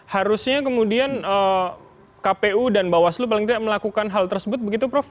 harusnya kemudian kpu dan bawaslu paling tidak melakukan hal tersebut begitu prof